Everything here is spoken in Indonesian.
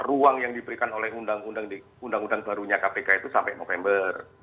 ruang yang diberikan oleh undang undang barunya kpk itu sampai november